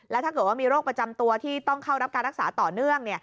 และถ้าเกิดว่ามีโรคประจำตัวที่ต้องเข้ารับการรักษาต่อเนื่อง